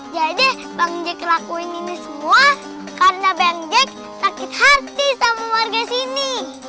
jadi bang jack lakuin ini semua karena bang jack sakit hati sama warga sini